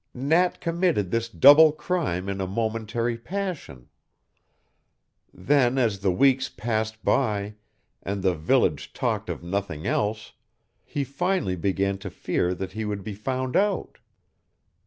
Nat committed this double crime in a momentary passion. Then as the weeks passed by and the village talked of nothing else, he finally began to fear that he would be found out.